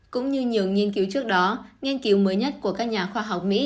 cũng như nhiều nghiên cứu trước đó nghiên cứu mới nhất của các nhà khoa học mỹ